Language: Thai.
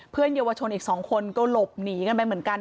เยาวชนอีก๒คนก็หลบหนีกันไปเหมือนกัน